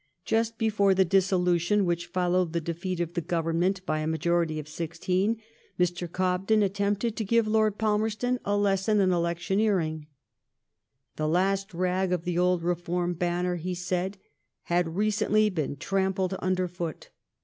Ijust before the dissolution which followed the de )C 186 LIFE OF VISCOUNT PALMEB8T0N. feat of the Government by a majority of 16, Mr. Cobden attempted to give Lord Palmerston a lesson in elec tioneering. The last rag of the old reform banner, he said, had recently been trampled nnder foot.